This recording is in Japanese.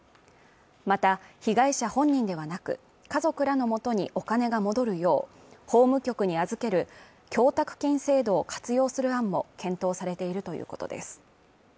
また被害者本人ではなく家族らのもとにお金が戻るよう法務局に預ける供託金制度を活用する案も検討されているということです